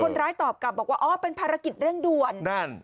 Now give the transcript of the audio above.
คนร้ายตอบกลับบอกว่าเป็นภารกิจเร่งด่วน